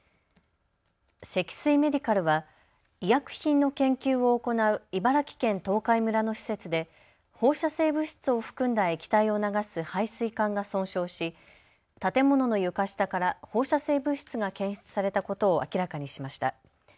積水メディカルは医薬品の研究を行う茨城県東海村の施設で放射性物質を含んだ液体を流す排水管が損傷し建物の床下から放射性物質が検出されたことを明らかにしました。